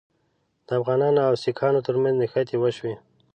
د افغانانو او سیکهانو ترمنځ نښتې وشوې.